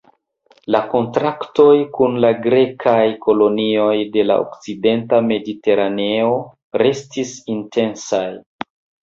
La kontaktoj kun la grekaj kolonioj de la okcidenta mediteraneo restis intensaj.